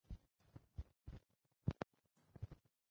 标题与登场人物的名字大多跟戏剧有关也是有意为之。